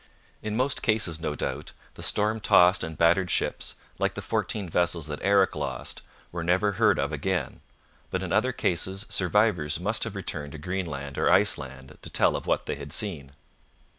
In most cases, no doubt, the storm tossed and battered ships, like the fourteen vessels that Eric lost, were never heard of again. But in other cases survivors must have returned to Greenland or Iceland to tell of what they had seen.